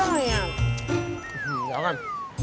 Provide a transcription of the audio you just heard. เดี๋ยวกัน